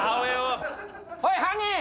おい犯人！